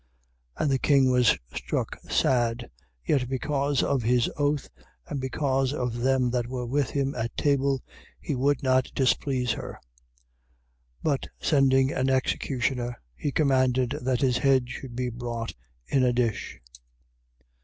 6:26. And the king was struck sad. Yet because of his oath, and because of them that were with him at table, he would not displease her: 6:27. But sending an executioner, he commanded that his head should be brought in a dish.